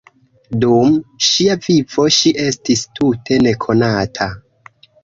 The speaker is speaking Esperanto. Dum ŝia vivo, ŝi estis tute nekonata.